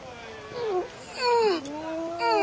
うん！